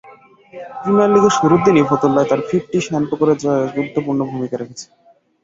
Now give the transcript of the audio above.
Premier লিগের শুরুর দিনই ফতুল্লায় তাঁর ফিফটি শাইনপুকুরের জয়ে গুরুত্বপূর্ণ ভূমিকা রেখেছে।